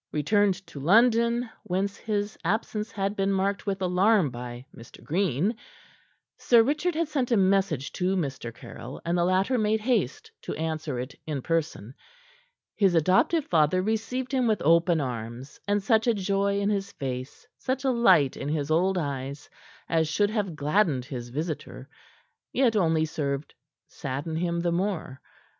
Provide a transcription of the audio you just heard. Returned to London whence his absence had been marked with alarm by Mr. Green Sir Richard had sent a message to Mr. Caryll, and the latter made haste to answer it in person. His adoptive father received him with open arms, and such a joy in his face, such a light in his old eyes as should have gladdened his visitor, yet only served sadden him the more.